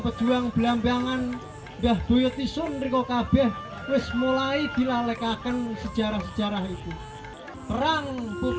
pejuang belambangan dah duit isun riko kabeh wes mulai dilalekakan sejarah sejarah itu perang